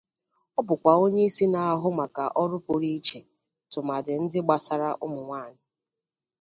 Ọ bụkwa onye isi na-ahụ maka ọrụ pụrụ iche tumadi ndi gbasara ụmụ nwaanyị.